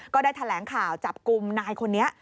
ก็ได้แถลงข่าวจับกลุ่มนายคนนี้